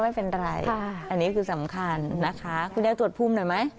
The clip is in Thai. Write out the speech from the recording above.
อันนี้คือสำคัญนะคะคุณยายตรวจภูมิหน่อยไหม